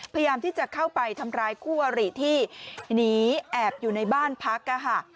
พยายามที่จะเข้าไปทำร้ายคู่อริที่หนีแอบอยู่ในบ้านพักค่ะ